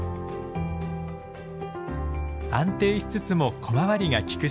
安定しつつも小回りがきく車体。